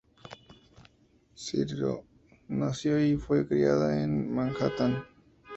Spiro nació y fue criada en Manhattan.